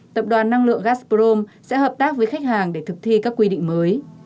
tập đoàn năng lượng gasprom sẽ hợp tác với khách hàng để thực thi các quy định mới